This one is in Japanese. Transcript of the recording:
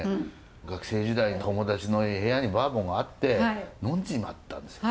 学生時代友達の部屋にバーボンがあって呑んじまったんですよ。